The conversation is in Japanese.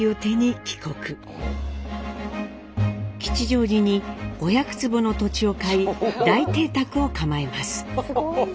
吉祥寺に５００坪の土地を買い大邸宅を構えます。